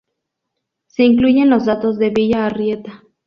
Se incluyen los datos de Villa Arrieta.